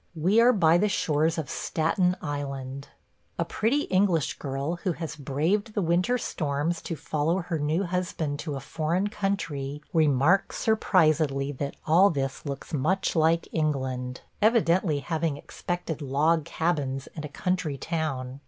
We are by the shores of Staten Island. A pretty English girl who has braved the winter storms to follow her new husband to a foreign country remarks surprisedly that all this looks much like England – evidently having expected log cabins and a country town.